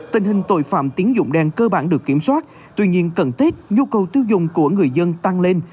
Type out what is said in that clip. tình hình tội phạm tiếng dụng đen cơ bản được kiểm soát tuy nhiên cần thiết nhu cầu tiêu dùng của người dân tăng lên